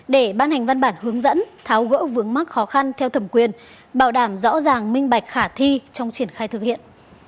để ban hành văn bản hướng dẫn tháo gỡ vướng mắc khó khăn theo thẩm quyền bảo đảm rõ ràng minh bạch khả thi trong triển khai thực hiện